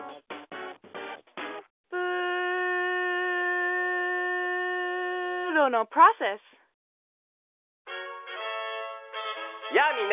プーロのプロセスやあみんな。